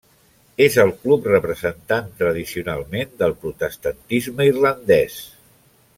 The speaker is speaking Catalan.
És el club representant, tradicionalment, del protestantisme irlandès.